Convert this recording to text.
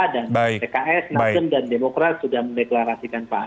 dan tks nasen dan demokrat sudah mendeklarasikan paham